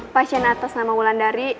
pasien atas nama mulandari